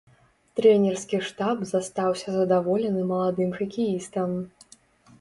Трэнерскі штаб застаўся задаволены маладым хакеістам.